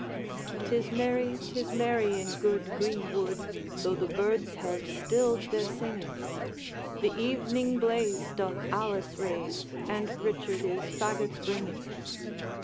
'Tis merry, 'tis merry, in good greenwood, Though the birds have stilled their singing; The evening blaze cloth Alice raise, And Richard is fagots bringing.